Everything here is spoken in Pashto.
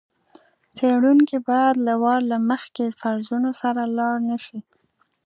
څېړونکی باید له وار له مخکې فرضونو سره لاړ نه شي.